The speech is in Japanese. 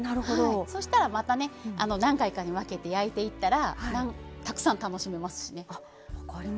そうしたら、またね何回かに分けて焼いていったらたくさん楽しめますしね。